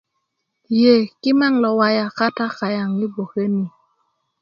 ye kimaŋ lo waya kata kaŋ i bgwoke ni